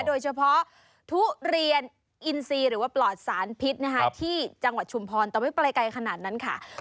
โดยเฉพาะทุเรียนอินซีหรือว่าปลอดสารพิษที่จังหวัดชุมพรแต่ไม่ไปไกลขนาดนั้นค่ะ